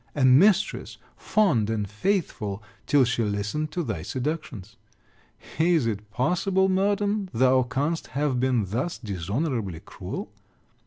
A mistress, fond and faithful, till she listened to thy seductions. Is it possible, Murden, thou canst have been thus dishonourably cruel?